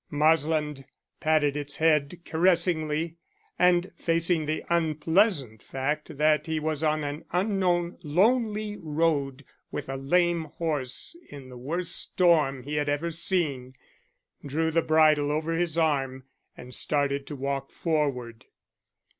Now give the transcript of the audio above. Marsland patted its head caressingly, and, facing the unpleasant fact that he was on an unknown lonely road with a lame horse in the worst storm he had ever seen, drew the bridle over his arm and started to walk forward.